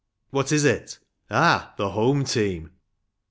What is it? ‚ÄĒ ah, the " home " team.